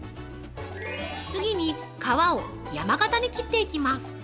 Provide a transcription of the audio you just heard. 次に、皮を山形に切っていきます。